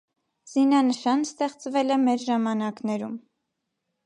Զինանշանն ստեղծվել է մեր ժամանակներում։